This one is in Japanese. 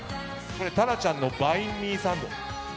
タラちゃんのバインミーサンド。